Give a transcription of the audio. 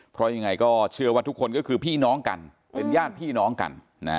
เพราะยังไงก็เชื่อว่าทุกคนก็คือพี่น้องกันเป็นญาติพี่น้องกัน